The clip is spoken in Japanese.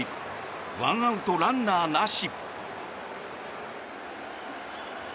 １アウト、ランナーなし。